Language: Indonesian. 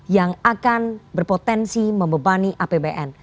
yang akan berpotensi membebani apbn